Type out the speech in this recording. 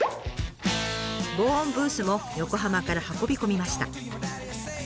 防音ブースも横浜から運び込みました。